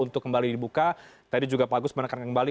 tadi juga pak agus menekankan kembali